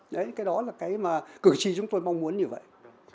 đấy cái đó là cái mà cử tri chúng tôi mong muốn như vậy